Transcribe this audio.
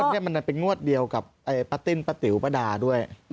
นี่มันเป็นงวดเดียวกับป้าติ้นป้าติ๋วป้าดาด้วย